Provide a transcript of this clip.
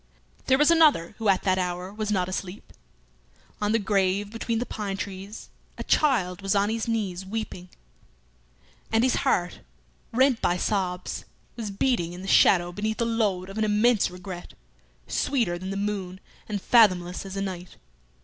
There was another who at that hour was not asleep. On the grave between the pine trees a child was on his knees weeping, and his heart, rent by sobs, was beating in the shadow beneath the load of an immense regret, sweeter than the moon and fathomless as the night.